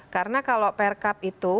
karena kalau prkap itu